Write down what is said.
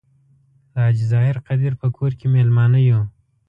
د حاجي ظاهر قدیر په کور کې میلمانه یو.